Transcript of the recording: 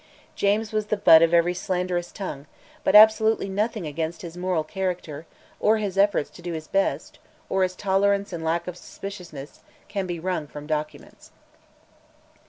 James was the butt of every slanderous tongue; but absolutely nothing against his moral character, or his efforts to do his best, or his tolerance and lack of suspiciousness, can be wrung from documents.